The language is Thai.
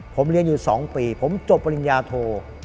ผมเรียนอยู่๒ปีผมจบปริญญาโท